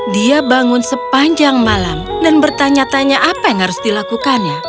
dia bangun sepanjang malam dan bertanya tanya apa yang harus dilakukannya